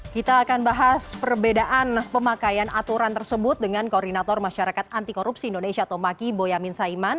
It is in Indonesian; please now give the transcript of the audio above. kita akan bahas perbedaan pemakaian aturan tersebut dengan koordinator masyarakat anti korupsi indonesia tomaki boyamin saiman